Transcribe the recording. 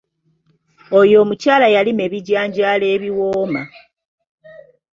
Oyo omukyala yalima ebijanjaalo ebiwooma.